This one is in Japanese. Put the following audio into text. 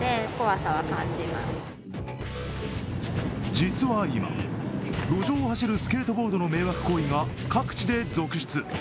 実は今、路上を走るスケートボードの迷惑行為が各地で続出。